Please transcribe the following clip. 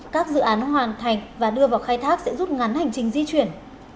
các dự án hoàn thành và đưa vào khai thác sẽ rút ngắn hành trình di chuyển